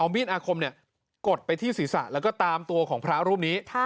มีดอาคมกดไปที่ศีรษะแล้วก็ตามตัวของพระรูปนี้